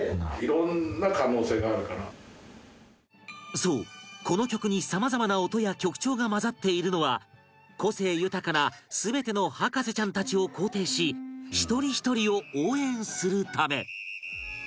そうこの曲に様々な音や曲調が混ざっているのは個性豊かな全ての博士ちゃんたちを肯定し一人一人を応援するため